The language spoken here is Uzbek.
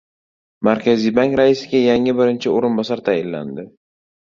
Markaziy bank raisiga yangi birinchi o‘rinbosar tayinlandi